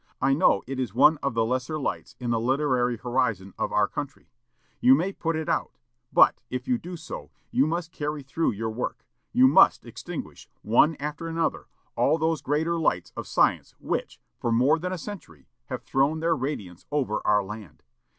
I know it is one of the lesser lights in the literary horizon of our country. You may put it out. But, if you do so, you must carry through your work! You must extinguish, one after another, all those greater lights of science which, for more than a century, have thrown their radiance over our land!